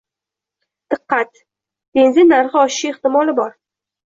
Diqqat, benzin narxi oshishi ehtimoli bor!